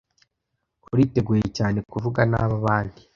Uriteguye cyane kuvuga nabi abandi.